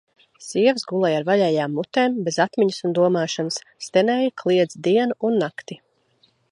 Sievas gulēja ar vaļējām mutēm, bez atmiņas un domāšanas, stenēja, kliedza dienu un nakti.